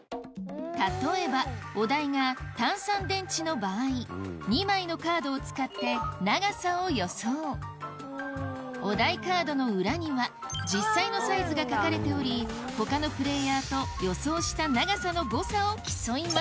例えばお題が「単三電池」の場合２枚のカードを使って長さを予想お題カードの裏には実際のサイズが書かれており他のプレーヤーと予想した長さの誤差を競います